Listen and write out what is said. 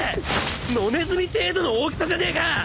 野ネズミ程度の大きさじゃねえか！